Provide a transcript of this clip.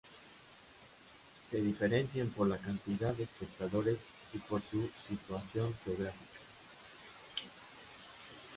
Se diferencian por la cantidad de espectadores y por su situación geográfica.